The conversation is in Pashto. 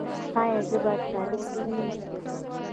ایا زه باید کالي پریمنځم؟